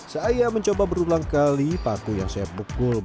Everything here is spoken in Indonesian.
saya mencoba berulang kali paku yang saya pukul